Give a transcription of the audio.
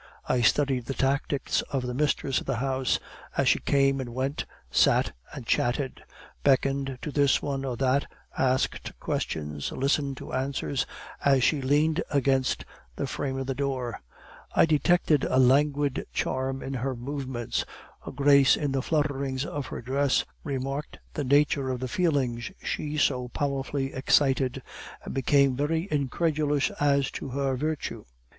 I studied the tactics of the mistress of the house, as she came and went, sat and chatted, beckoned to this one or that, asked questions, listened to the answers, as she leaned against the frame of the door; I detected a languid charm in her movements, a grace in the flutterings of her dress, remarked the nature of the feelings she so powerfully excited, and became very incredulous as to her virtue.